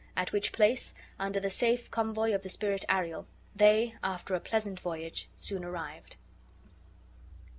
At which place, under the safe convoy of the spirit Ariel they, after a pleasant voyage, soon arrived.